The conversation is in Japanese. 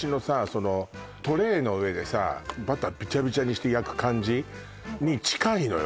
そのトレーの上でさバターびちゃびちゃにして焼く感じに近いのよ